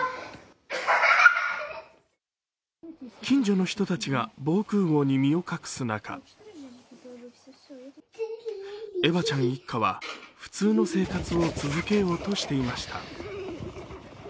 近所の人たちが防空ごうに身を隠す中エバちゃん一家は、普通の生活を続けようとしていました。